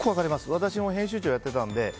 私も編集長をやってたので。